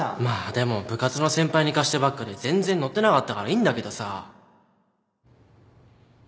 まあでも部活の先輩に貸してばっかで全然乗ってなかったからいいんだけどさ